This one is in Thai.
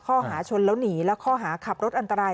ข้อหาชนแล้วหนีและข้อหาขับรถอันตราย